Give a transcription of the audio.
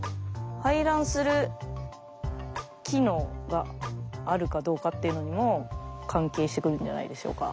排卵する機能があるかどうかっていうのにも関係してくるんじゃないでしょうか。